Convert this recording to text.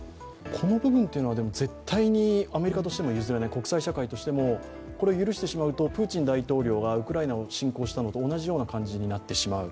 この部分っていうのは絶対にアメリカとしても譲れない国際社会としてもこれを許してしまうと、プーチン大統領がウクライナを侵攻したのと同じような感じになってしまう